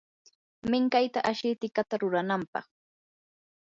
minkayta ashi tikata ruranampaq.